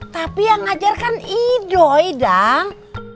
tapi yang ngajarkan ido pedang